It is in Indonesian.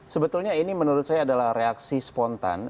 sebetulnya ini menurut saya adalah reaksi spontan